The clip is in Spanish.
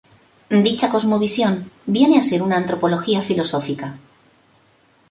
Dicha cosmovisión viene a ser una antropología filosófica.